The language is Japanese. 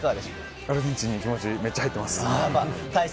アルゼンチンに気持ちがめっちゃ入っています。